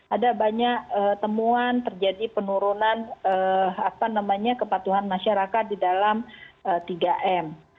ada banyak temuan terjadi penurunan kepatuhan masyarakat di dalam tiga m